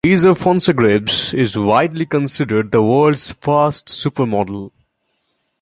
Lisa Fonssagrives is widely considered the world's first supermodel.